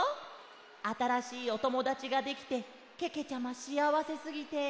あたらしいおともだちができてけけちゃましあわせすぎて。